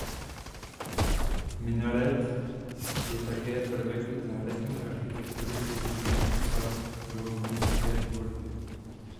Minaret je také prvek zahradní architektury používaný v sadovnické tvorbě.